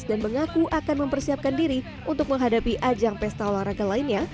dan mengaku akan mempersiapkan diri untuk menghadapi ajang pesta olahraga lainnya